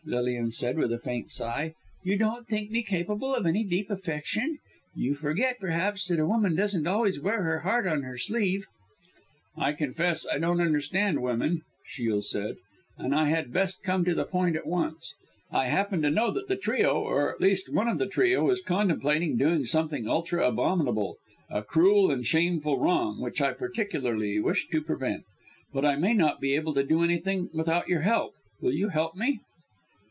Lilian said, with a faint laugh. "You don't think me capable of any deep affection. You forget, perhaps, that a woman doesn't always wear her heart on her sleeve." "I confess I don't understand women," Shiel said, "and I had best come to the point at once. I happen to know that the trio or at least one of the trio is contemplating doing something ultra abominable a cruel and shameful wrong, which I particularly wish to prevent. But I may not be able to do anything without your help! Will you help me?"